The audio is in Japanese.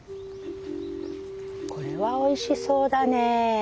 これはおいしそうだねぇ。